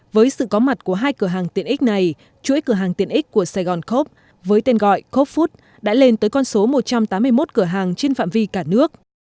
với sự có mặt của hai cửa hàng tiện ích này chuỗi cửa hàng tiện ích của sài gòn coop với tên gọi cop food đã lên tới con số một trăm tám mươi một cửa hàng trên phạm vi cả nước